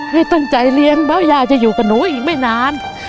ให้ตั้งใจเลี้ยงเพราะยาจะอยู่กับหนูอีกไม่นาน